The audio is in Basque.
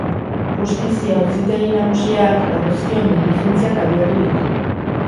Justizia Auzitegi Nagusiak dagozkion diligentziak abiatu ditu.